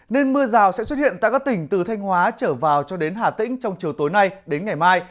nên mưa rào sẽ xuất hiện tại các tỉnh từ thanh hóa trở vào cho đến hà tĩnh trong chiều tối nay đến ngày mai